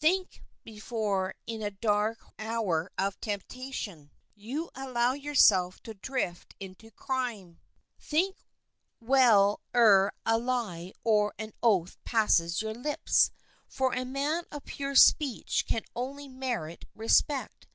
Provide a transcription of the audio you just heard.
Think before, in a dark hour of temptation, you allow yourself to drift into crime. Think well ere a lie or an oath passes your lips, for a man of pure speech only can merit respect.